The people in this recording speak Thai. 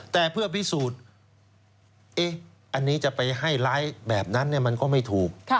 แต่เพื่อพิสูจน์อันนี้จะไปให้ร้ายแบบนั้นมันก็ไม่ถูก